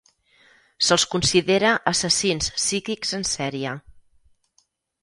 Se'ls considera assassins psíquics en sèrie.